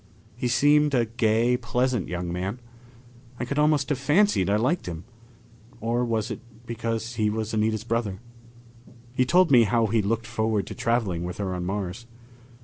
He seemed a gay, pleasant young man. I could almost have fancied I liked him. Or was it because he was Anita's brother? He told me how he looked forward to traveling with her on Mars.